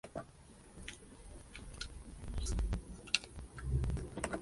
Cursó estudios de bachillerato elemental en Castellón y de bachillerato universitario en Barcelona.